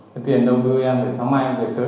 cái tiền đầu tư em phải sáng mai em phải sớm